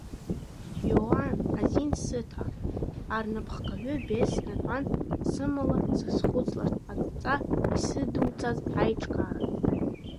Иоанн азин сыҭа, арнапхгаҩы, Бесс, снатәан сымала сазхәыцларц, адҵа исыдуҵаз аиҿкаара.